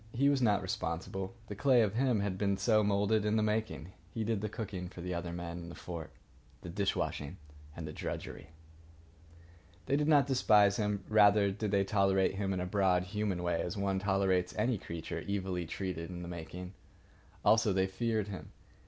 He was not responsible. The clay of him had been so moulded in the making. He did the cooking for the other men in the fort, the dish washing and the drudgery. They did not despise him. Rather did they tolerate him in a broad human way, as one tolerates any creature evilly treated in the making. Also, they feared him.